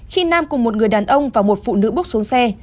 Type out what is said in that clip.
khi nam cùng một người đàn ông và một phụ nữ bước xuống xe